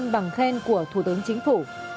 năm bằng khen của thủ tướng chính phủ